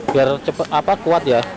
biar cepat kuat ya